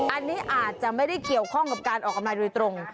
อันนี้อาจจะไม่ได้เกี่ยวข้องกับการออกกำลังโดยตรง